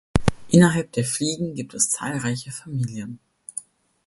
Innerhalb der Fliegen gibt es zahlreiche Familien.